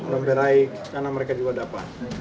lomberai tanah mereka juga dapat